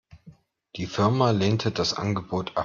Die Firma lehnte das Angebot ab.